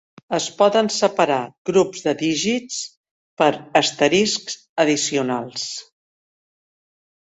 Es poden separar Grups de dígits per asteriscs addicionals.